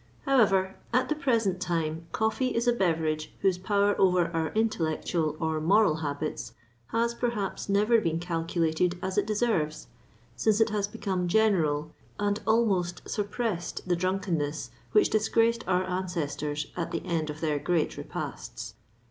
However, at the present time coffee is a beverage whose power over our intellectual or moral habits has, perhaps, never been calculated as it deserves, since it has become general, and almost suppressed the drunkenness which disgraced our ancestors at the end of their grand repasts."